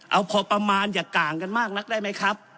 เอาพอประมาณอย่าต่างกันมากนักได้ไหมครับ